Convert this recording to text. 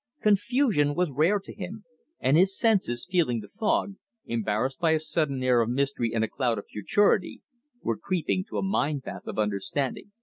Confusion was rare to him, and his senses, feeling the fog, embarrassed by a sudden air of mystery and a cloud of futurity, were creeping to a mind path of understanding.